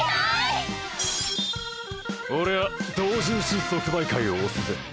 俺ぁ同人誌即売会を推すぜ。